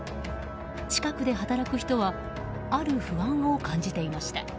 近くで働く人は、ある不安を感じていました。